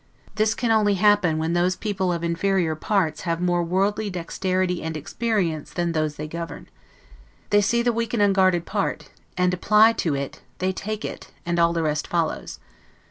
This can only happen when those people of inferior parts have more worldly dexterity and experience, than those they govern. They see the weak and unguarded part, and apply to it they take it, and all the rest follows.